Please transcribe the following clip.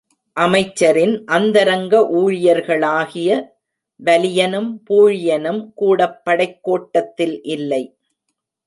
அமைச்சரின் அந்தரங்க ஊழியர்களாகிய வலியனும் பூழியனும் கூடப் படைக்கோட்டத்தில் இல்லை.